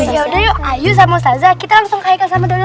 ya udah yuk ayo sama ustazah kita langsung kaya sama dudut aja